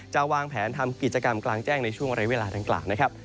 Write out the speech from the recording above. จะวางแผนทำกิจกรรมกลางแจ้งในช่วงวันไหร่เวลาต่างนะครับ